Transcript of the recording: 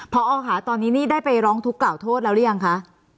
พอค่ะตอนนี้นี่ได้ไปร้องทุกข์กล่าวโทษแล้วหรือยังคะ